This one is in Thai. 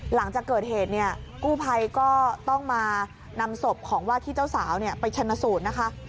หลังจากเกิดเหตุเนี่ยกู้ภัยก็ต้องมานำศพของว่าที่เจ้าสาวไปชนะสูตรนะคะ